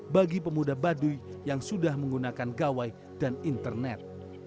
bagi pemuda baduy yang sudah menggunakan gawai dan internet